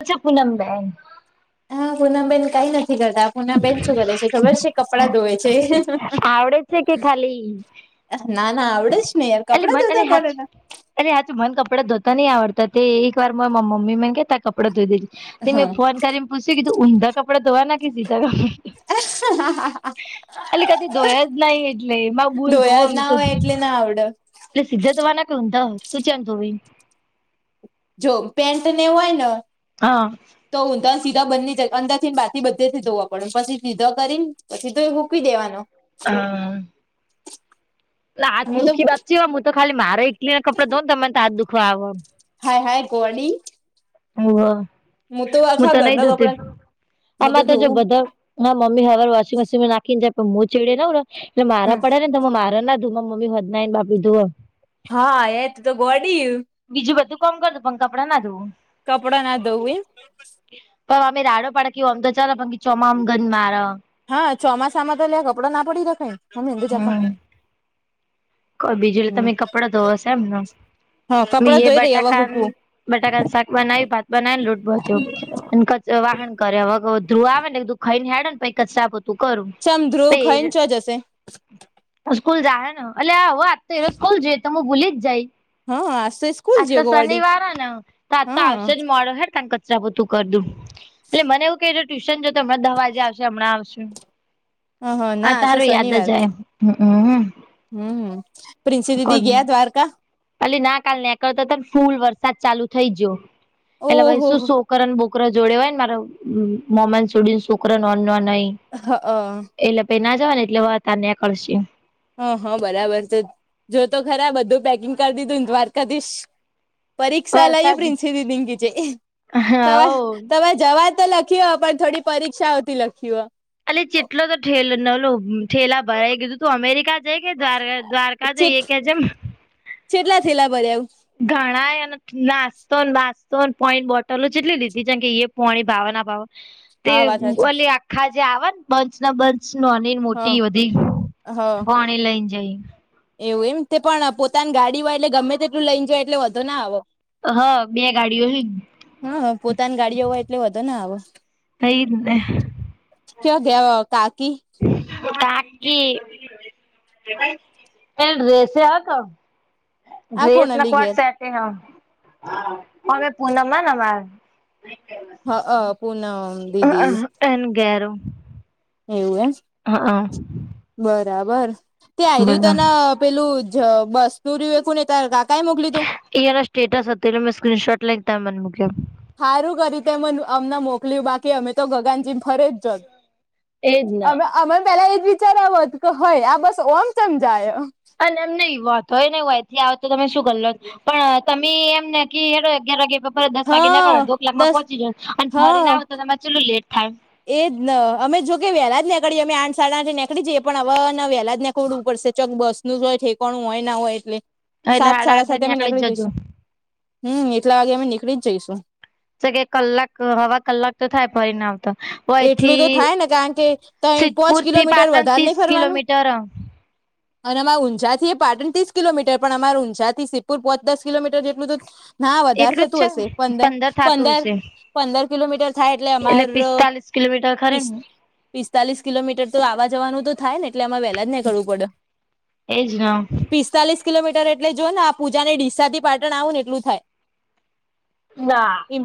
અચ્છા પૂનમ બેન. હા પૂનમ બેેન કઈ નથી કરતા, પૂનમ બેેન શું કરે છે ખબર છે? કપડાં ધોવે છે. આવડે છે કે ખાલી ના ના આવડે જ. ને યાર એલી કપડાં [unintelligible] અરે ધોતા હાચ કોને ના અરે હાચુ મને કપડાં ધોતા નહી આવડતા, તે એક વાર મારાં મમ્મી મને કેતા કપ કપડા ધોઈ દેજે તે મેં હા ફોન કરીને પૂછી લીધું ઊંધા કપડા ધોવાના કે સીધા કપ એલી કદી ધોયા જ નહી એટલે એમાં ભૂલ ધોયા જ ધોવાનું ના તો હોય એટલે ના આવડ. એટલે સીધા ધોવાના કે ઉંડા તું ચન ધોવે? જો પેન્ટ ને હોય ન હા. તો ઊંધાન સીધા બને જ અંદરથી ન બહારથી બધે થી જ ધોવા પડે પછી સીધા કરીન પછી તો એ હૂકીવી દેવાનો. હા. લે હાથ હું તો દુઃખીતી હું તો ખાલી મારે ઇલી ના કપડે ધઉ ને તને આ દુખવા આવ હાય હાય ગોડી હોવ હું આખા તો નહી ઘરના જતી કપડા હું આમાં તો જો ધોવું બધા હા મમ્મી હર વોશિંગ મશીનમાં નાખી ને જાય હું ચડે નવ એટલે હમ મારા પડે ને મારે ના ધોવા માંરી મમ્મી હોજના આઈ બાપડી ધોવ હા એ તો તો ગોડી બીજું બધું કામ કર દવ પણ કપડાં નાધવું કપડાના ધોવ એમ પણ અમે રાડો પાડડા કેવો આમ તો ચાલ પણ કે ચોમામ ગંધ માર હા ચોમાસામાં તો લ્ય કપડો ના પડી રખાય અમે બુજા બોલો બીજુંલે તમે કપડાં ધોવા હશે એમને હા કપડાં એ ધોઈ રહી હવે બટાકા હુકવું બટાકાન શાક બનાવી ભાત બનાય લૂટ બોધિયુ વાહન કરે હવે ધ્રુવ આવે ને એકધું ખાઈ ને હાડેને કચરા પો તું કરું ચમ ધ્રુવ પેર ખાઈને ચો જશે સ્કૂલ જાહ ને અલ્યા આતો સ્કૂલ જોઈએ તો હું ભૂલી જ જઈ હા આજ તો આ સ્કૂલ તો જયો ગો વડી શનિવાર હ તો આતા હા આવશે જ મોડ હન તણ કચરાપોતું કર દવ મને એવું કે ટ્યુશન જો તો હમણાં દરવાજે આવશે હમણાં આવશે હ હ હા ના આજ તો અત્યારે યાદ જાય હમ્મ હમ્મ પ્રિન્સી દીદી ગયા દ્વારકા અલી ના કાલ નીકળતા ફૂલ વરસાદ ચાલુ થઈ ગયો એટલેાઈ ઓહો શું શો શોકરન બોકર જોડે હોય ને મારા મોમાં ન સુડી શોકર ઓનનય હા હ એટલે પહી ના જવા ને એટલે અતાર નેકળશે હા હા બરાબર છે જોતો ખરા બધું પેકિંગ કરી દીધું દ્વારકાધીશ પરીક્ષા લઈયે વરસાદ પ્રિન્સદીદી છે હવ તમારા જવા તો લખ [unintelligible] પણ થોડી પરીક્ષા હોતી લખીઓ અ જેટલો તો થેલ નલો ઠેલા ભરાઈ ગીધું તું અમેરિકા જઈ કે દ્વાર દ્વારકા જઈએ કે જેમ કેટલા થેલા ભર્યા આવું ઘણા નાસ્તોને બસ્તો પોણી બોટલો જેટલી લીધી છેમ કે એ પોણી ભાવવાના ભાવ તે હા વાત સાચી ઓલી આખા જે આવા ને પંચ ના બંચ નો અને મોટી હ બધી હ પાણી લઈને જાય એવું એમ તે પણ પોતાની ગાડી હોય એટલે ગમે તેટલું લઈને જ એટલે વધો ના આવો હા બે ગાડીઓ હા પોતાની ગાડીઓ હોય એટલે વધો ને આવ થઈને ગયા કાકી કાકી [unintelligible] હતો આ ડ્રેસ કોનાલી નકવાર ઘેર સેટ અમે પૂનમાન અમાર હઅ પૂનમ દીદી એન ઘેરો એવું એમ હા હા બરાબર તે આ રહ્યું બોલો તના પેલું જ બસ્તુરી વેખું ને ત્યારે કઈ મોકલી તું એના સ્ટેટસ હતો એટલે મેં સ્ક્રીનશોટ લખતા મન મુક્યો હારું કરી તે અમને મોકલ્યું બાકી અમે તો ગગનજી ફરે જ એજ ના અમન પેલા એજ વિચાર આવો હત કે હય આ બસ ઓમ સમજાય અને એમ નહીં હોતો હોય નહી હોય એથી આવ તો તમે શું કર લો પણ તમે એમ નકી હેર અગિયાર વાગે દસ વાગે નકળો દસ ક્લાકમાં પહોંચી જ અને ફરીને હા આવે તો તમને કેટલું લેટ થાય એજ ન અમે જો કે વેહેલા જ નીકળીએમે આઠ સાડા આઠ નીકળી જઈએ પણ હવ વેહલા જ નેકવડું ઉપડશે ચોક બસ નું હોય ઠેકોણું હોય ના હોય એટલે એટલે સાત હાડા સાડા આઠે સાત અમે નીકળી જજો જઈશું હમ એટલા વાગે અમે નીકળી જ જઈશું સકે કલાક હવા કલાક તો થાય પરિણામ એટલું તો થાય ને કારણ કે તય પોચ સિદ્ધપુર થી કિલોમીટર પાટણ વધારે ની ત્રીસ ફરવાનું કિલોમીટર અને અમારા ઊંઝા થી એ પાટની ત્રીસ કિલોમીટર પણ અમાર ઊંઝાથી સિદપુર પોચ દસ કિલોમીટર જેટલું તો ના વધાર એટલું જ થતું હશે છે પંદર થાતું પંદર હશે પંદર કિલોમીટર થાય એટલે અમાર પિસ્તાલીસ કિલોમીટર ખરે ને પિસ્તાલીસ કિલોમીટર તો આવા જવાનું તો થાય ને એટલે અમાં વહેલા જ નીકળવું પડે એજ ને પિસ્તાલીસ કિલોમીટર એટલે જોય ને આ પૂજાને ડીસાથી પાટણ આવું ને એટલું થાય ના એમ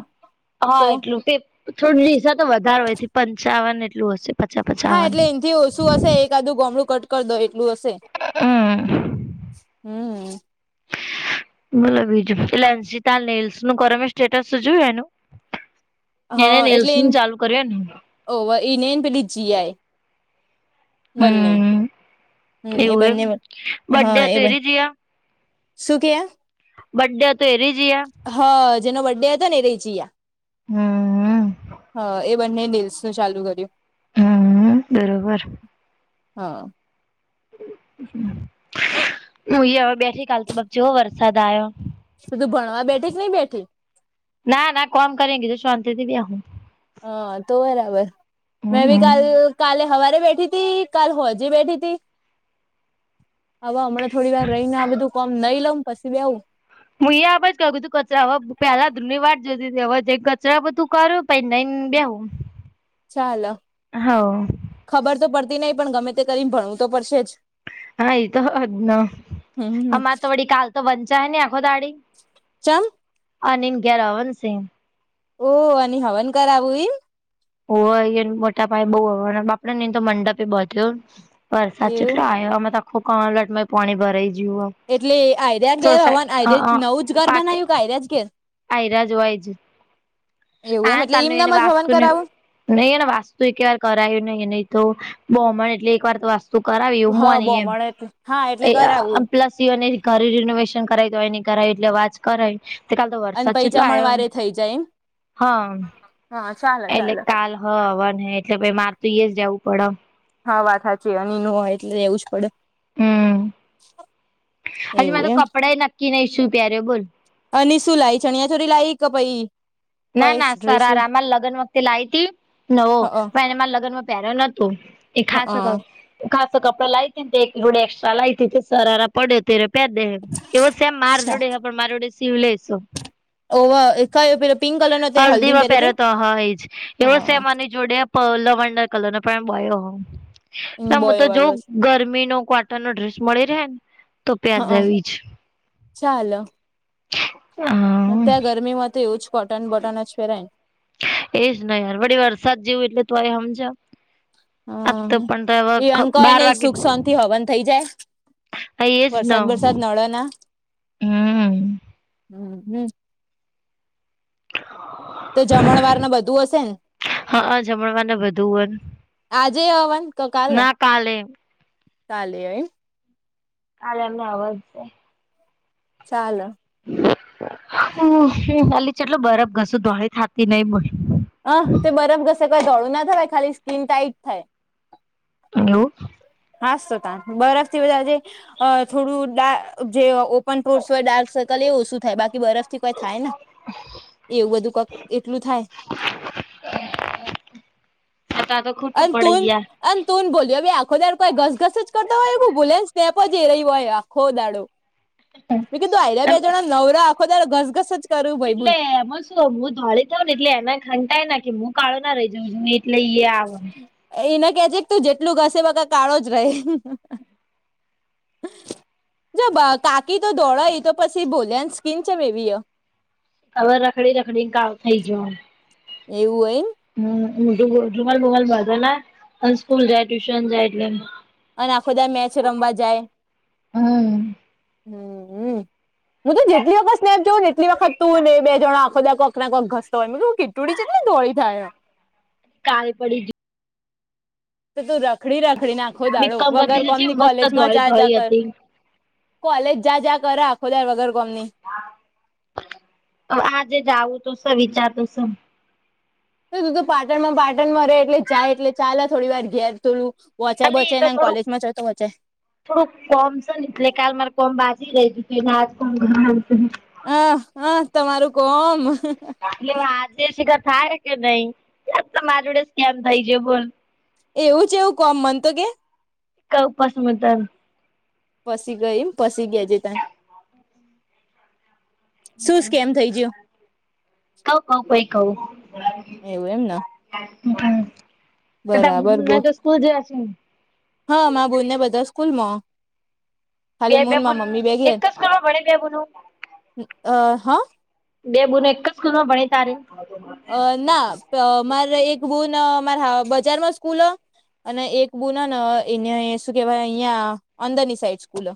તો હા એટલું સે થોડું લિસ તો વધારો એથી પંચાવન એટલું હશે પચા હા પચાવન એટલે એનથ ઓછું હશે એક આદું ગોમડું કટ કરી દો એટલુ હશે હા હમ બોલો બીજું એટલે [unintelligible] નું કરમે સ્ટેટસ જોય એનું એને હા એટલે નેલ્સ એન નું ચાલુ કર્યું ને ઓ એનેન પેલી જીઆય બંને હમ હમ એ એવું એમ બંને બર્ડે હા એ હતો બ એરી જયા શું કેય આ બડ્યા તો રીજયા હાજેનો બર્ડે હતો ને રી જીયા હમ હ હ એ બંને ડીલ્સ નું ચાલુ કર્યું હમ બરોબર હા [unintelligible] બેઠી કાલ તો જો વરસાદ આયો શું તું ભણવા બેઠે કે નઈ બેઠે ના ના કોમ કરેગી તો શાંતીથી બેહુ હ તો બરાબર મેં હમ બી હમ કાલ કાલે હવારે બેઠી તી કાલ હો જી બેઠી તી હવે હમણાં થોડી વાર રહી ને આ બધું કોમ નઈ લઉ પછી બેવું હુંય આપ જ કહું ક તું કચરા પેલા ધૂધની વાટ જોતી હતી હવે જે કચરા બધું કરૂ પૈ નાઈ બેહું ચાલ ખબર તો પડતી નહી પણ ગમે તે કરીને ભણવું તો પડશે જ હા એતો ન હમ અમારે તો વડી કાલ તો વંચાય ની આખો દાડી ચાલ હા નિન ગેર અવનસિં ઓહ અને હવન કરાવું એમ હોવ મોટા ભાઈ બહ હના બાપડે નહી તો મંડપે બધ્યો વરસાદ છેટલો એવું આવ્યો આમાં તો આખું કલટમાં પાણી ભરાઈ ગયું એટલે આઈ રહ્યા ઘેર સોસાય હવાન અ અ આઈ્યા નવું જ ઘર બનાવ્યું કે આ રહ્યા જ ઘેર જોવાય જ એવું હ એમ એટલે એમ તનું એને નામ જ હવન વાસ્તુ ન કરાવું નહી એને વાસ્તુ એક વાર કરાયું નહી નહી તો બ્રાહ્મણ એટલે એક વાર તો વાસ્તુ [unintelligible] હા બોમણ એટલે હા એટલે કરાવું ઘરે રિનોવેશન કરાવી તો હોય ન કર એટલે આજ કરાવ્યું કાલે તો અને [unintelligible] પહી એટલો જમણ આ્યો વારે થઈ જાય એમ હા હા ચાાલ એટલે કાલ હ હવા એટલે માર તોું જવું પડ હા વાત સાચી એની ન હોય એટલે રહેેવું જ પડે હમ હજી એવું મારતો એમ કપડાય નક્કી નઈ શું પહેર્યો બોલ અલી શું લાઈ ચણિયા ચોલી લાઇ કે પાહિ ના ના સરાર આમા લગ્ન વખતે લાવી હતી નવો હ પણ એને મા લગનમાં પહેર્યો ન તો એ હ ખાસ ખાસ કપડા લાવતી એક જોડે એક્સ્ટ્રા લાવતી સારા પડ્યો તો એ પેર દે એવો સેમ માર જોડે હ પણ માર જોડે સિવલેસ સ ઓવા એ કયો પેલો પિંક કલર નો તે હલ્દી માં હલ્દીમાં પેરે તે પહેરો તો હ એજ એવો સેમ હ આની જોડે લવંડર કલર નો પણ બોયો હ હું તો બોયો જો વાળો ગરમી નો કટન નો ડ્રેસ મળી રહે ને તો હા પેરીદવ એજજ ચાલ હા અત્યારે ગરમીમાં એવું જ કોટન બટન જ પેરાયન એજ ન યાર વડી વરસાદ જેવું એટલે તો આ સમજ આ તો ને પણ હ તો ઈવન કઈ બાર નઈ વાગે હ સુખ શાંતિ હવન થઈ જાય એજ ન વરસાદ વરસાદ નળ ના હમ હમ હમ તો જમણવાર ના બધું હશે ને હા જમણવાને બધું આજે હવન તો કાલ હોય ના કાલે કાલે હ એમ કાલે એમનો હવન છે. ચાલ હ અલી ચટલો બરફ ઘસું તોઈ થાકતી નહી બોલ હ તે બરફ ઘસે કોઈ ધોળું ના થય ખાલી સ્કીન ટાાઈટ થાય એવું હાસ તો તા બરફ બધા જે અ થોડું જે ઓપન પોર્સ હોય ડાર્ક સર્કલ એ ઓછું થાય બાકી બરફ થી કોઈ થાય ના એવું બધું કક એટલું થાય પતા તો [unintelligible] ખોટું અને પડી તું ગયા ને ભોલિયો આખો દાડ કઈ ઘસઘસ જ કરતા હોય એવું ભાલીયા ની સ્નેપ એ જઈ રહ્યું હોય આખો દાડો મે કીધું આઈ બે જણા નવરા આખો ત ઘસઘસજ એટલે એમાં શું હું ધોળી થઉ ને એટલે એના ઘંટાય ના કે હું કાળો ના રહી જઉં છું લઈએ આવે એને કે જે કે તું જેટલું ઘસે બકા કે કાળો જ રહી જો બા કાકી તો ધોડા ઈ તો પસી ભોલ્યાં ન્સ્કીન છે, મે બીય. અવે રખડી રખડી ને કાવ થઇ જોન. એવું યેમ. હમ્મ, [unintelligible] રૂમાલ બુમાલ બાધે નાય અને સ્કૂલ જાય, ટ્યુશન જાય એટલે અને આખો દાય મેચ રમવા જાય. હમ હમ્મહમ્મ. હું તો જેટલી વખત સ્નેપ જોઉં ને એટલી વખત તું ને એ બે જણા આખો દા કક ક્રાકો ઘસતો ઓય, મે કવ કીટુડી જેટલી ધોળી થાય એમ. કાય પડી ગી તો તું રખડી રખડી ન આખો દાડો, બીકોમ વગર કરતી કોમની કોલેજમાં ધોળી જા જા ધોળી કર. હતી કોલેજ જા જા કરે આખો દા, વગર કોમની. અ આજે જાવું તો સે, વિચાર ત સે. તુ તુ તો પાટણ મા પાટણમા રે એટલે જાય એટલે ચાલે થોડી વાર ઘેર થોલું. વોંચેય અલે એ બોચેય તો ને થોડુંક કોલેજ માં જતો અચે. થોડુંક કોમ સે ન એટલે કાલ મારે કોમ બાજી રહી ગીતી, ને આજ કોમ ઘર અંહ અંહ તમારુ કોમ. એટલે આજે સિકાર થાય કે નઈ, જા તમારી જોડે સ્કેમ થઇ જે બોલ. એવું ચેવું કોમ? મન તો કે. કઉ પસી મ તન. પસી ગઈમ. પસી ગેજે ત. સું સ્કેમ થઇ ગીયો? કવ કવ ભઈ કઉ. એવુ એમ ન. હમ્મહ, ત તો બરાબર બોલ ઊંન સ્કૂલ જયા છે. હા, મા બુન ને બધા સ્કૂલ માં. બે બે બુન એક ઘેર જ સ્કૂલમાં ભણે બે બૂનું. અ, હ. બે બુનો એક જ સ્કૂલમાં ભણે તારે? અ.. ના પઅ મારે એક બુન મારા હ બજારમાં સ્કૂલહ અને એક બુનન એને શું કેવાય અહિયાં અંદર ની સાઈડ સ્કૂલ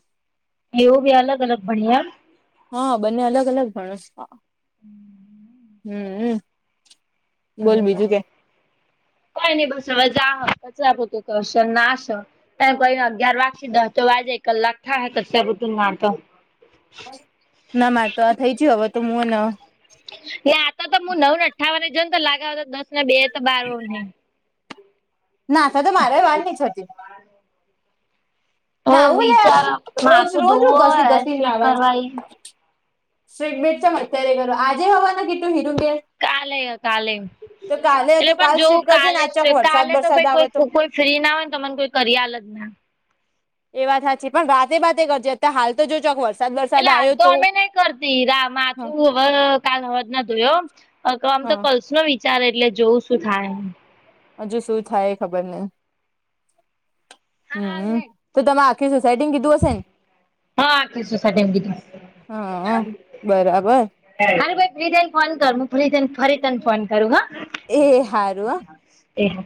એવુ ભી અલગ અલગ બણીયે એમ. હ, બંને અલગ અલગ ભણેસ. હમ હમ્મહ. ખઈની બસ અવે જા. કચરા પોતુ કરશે નાશ. ત કોઈ અગિયાર વાગ્સી ધાહ તો વાજે એક કલાક થાય તસ ઋતુમાતો. ના માય તો આ થઈ જીયું, હવે તો મુંન. ના આ ત ત નવું ને અઠ્ઠાવને જોન, તો લાગે અવે ત દસ ને બે તો બાર વને ના સા તો મારા વાળ ની છ તી. હવે નાવું લે વિચાર આવુ રોજ માથું રોજ ધોવું નું હોય ઘસી હેર ઘસી સ્ટ્રેટ નાવા કરવાઈ સ્ટ્રીટ બેટ છે, મ અત્યારે કરો આજે હવાનું કીટ્ટું હીરુ ગેં કાલે કાલે એટલે તો પણ કાલ જો સ્ટ્રીટ કરજે ને કાલે જ આ ચોક છે. વરસાદ કાલે તો વરસાદ ભઈ આવે કોઈક તો કોક ફ્રી ના ઓય ને ત મને કોઈ કરી આલ જ ને. એ વાત હાચી પણ બાતે બાતે ગરજે, અતારે હાલ તો જો ચોકવસ. એટલે આલ તો અમે નઈ કરતી રા હા માથું વ કાલ હવાજ ના ધોયો અ કમ તો, હા કલ્સ નો વિચારે એટલે જોવુ સુ થાય. હજુ શું થાય ખબર નઈ હારું હમ્મ મ હેડ તો તમે આખી સોસાયટીને કીધું હશે ને હા આખી સોસાયટીને કીધું હા આ બરાબર અરે ભાઈ ફ્રી થઈ ને ફોન કર હું ફ્રી થઈ ને ફરી તને ફોન કરું હા એ હારું હ એ હા